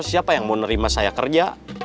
siapa yang mau nerima saya kerja